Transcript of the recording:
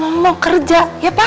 soalnya mama mau kerja ya pak